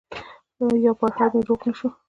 يو پرهر مې روغ نه شو